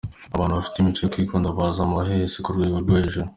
Abantu bafite imico yo kwikunda baza mu bahehesi ku rwego rwo hejuru.